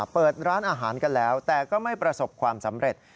เปิดร้านอาหารกันแล้วแต่ก็ไม่ประสบความสำเร็จ